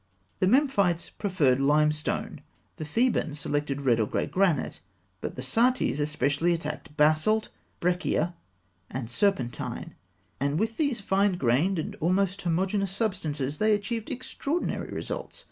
The Memphites preferred limestone; the Thebans selected red or grey granite; but the Saïtes especially attacked basalt, breccia, and serpentine, and with these fine grained and almost homogeneous substances, they achieved extraordinary results.